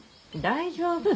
大丈夫。